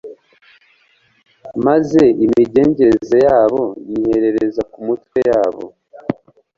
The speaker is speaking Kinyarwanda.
maze imigenzereze yabo nyiherereza ku mitwe yabo